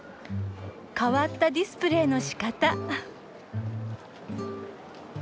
変わったディスプレイのしかた。